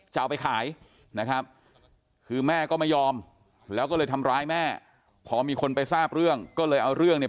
จะเอาไปขายนะครับคือแม่ก็ไม่ยอมแล้วก็เลยทำร้ายแม่พอมีคนไปทราบเรื่องก็เลยเอาเรื่องเนี่ย